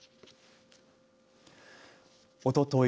おととい